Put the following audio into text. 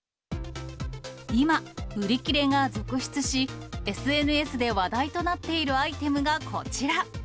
今、売り切れが続出し、えすーすでわだいとなっているアイテムがこちら。